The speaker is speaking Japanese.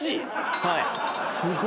はい。